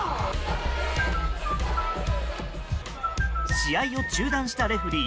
試合を中断したレフェリー。